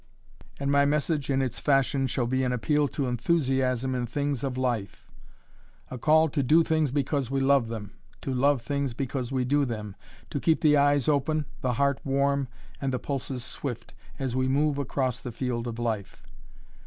And my message in its fashion shall be an appeal to enthusiasm in things of life, a call to do things because we love them, to love things because we do them, to keep the eyes open, the heart warm and the pulses swift, as we move across the field of life.